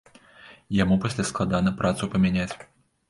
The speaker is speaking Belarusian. Яму пасля складана працу памяняць.